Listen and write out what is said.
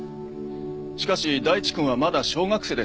しかし大地くんはまだ小学生です。